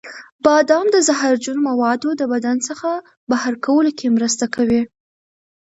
بادام د زهرجنو موادو د بدن څخه بهر کولو کې مرسته کوي.